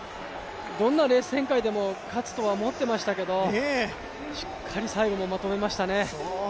どんなレース展開でも勝つとは思ってましたけどしっかり最後もまとめましたね。